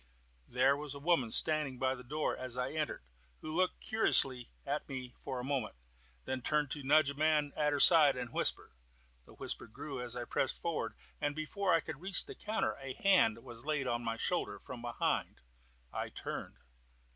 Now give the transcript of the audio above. There was a woman standing by the door as I entered, who looked curiously at me for a moment, then turned to nudge a man at her side, and whisper. The whisper grew as I pressed forward, and before I could reach the counter a hand was laid on my shoulder from behind. I turned.